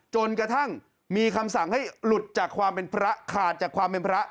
จนกระทั่งมีคำสั่งให้หลุดจากความเป็นพระขาดจากความเป็นพระ